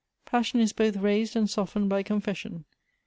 "Passion is both raised and softened by confession.